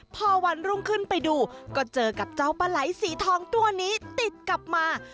พอวันรุ่งขึ้นไปดูก็เจอกับเจ้าปลาไหลสีทองตัวนี้ติดกลับมา